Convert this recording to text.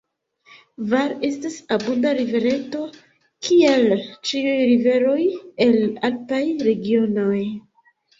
Var estas abunda rivereto, kiel ĉiuj riveroj el alpaj regionoj.